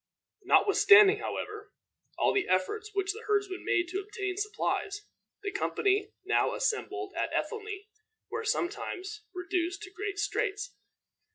Notwithstanding, however, all the efforts which the herdsman made to obtain supplies, the company now assembled at Ethelney were sometimes reduced to great straits.